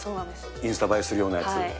インスタ映えするようなやつ。